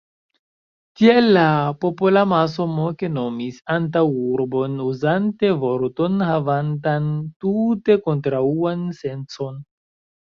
Tiel la popolamaso moke nomis antaŭurbon, uzante vorton, havantan tute kontraŭan sencon.